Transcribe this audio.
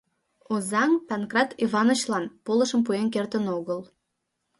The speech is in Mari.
Озаҥ Панкрат Иванычлан полышым пуэн кертын огыл.